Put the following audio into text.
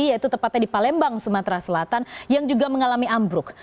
yaitu tepatnya di palembang sumatera selatan yang juga mengalami ambruk